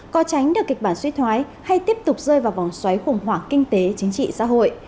có tránh được kịch bản suy thoái hay tiếp tục rơi vào vòng xoáy khủng hoảng kinh tế chính trị xã hội